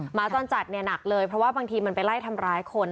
หมาจรจัดเนี่ยหนักเลยเพราะว่าบางทีมันไปไล่ทำร้ายคน